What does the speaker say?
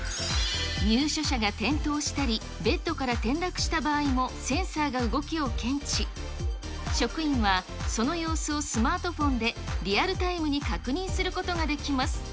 入所者が転倒したり、ベッドから転落した場合も、センサーが動きを検知し、職員はその様子をスマートフォンで、リアルタイムで確認することができます。